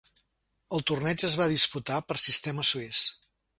El torneig es va disputar per sistema suís.